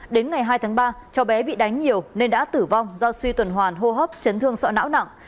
đến ngày hai tháng ba cháu bé bị đánh nhiều nên đã tử vong do suy tuần hoàn hô hấp chấn thương sọ não nặng